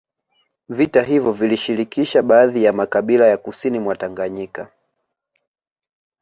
Vita hivyo vilishirikisha baadhi ya makabila ya kusini mwa Tanganyika